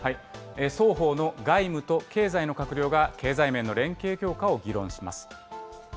双方の外務と経済の閣僚が経済面の連携強化を議論します。